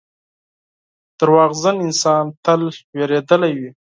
• دروغجن انسان تل وېرېدلی وي.